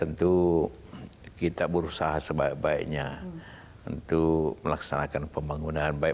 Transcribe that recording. tentu kita berusaha sebaik baiknya untuk melaksanakan pembangunan baik